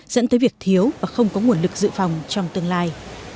dẫn tới việc thiếu và không có nguồn lực dự phòng trong tương lai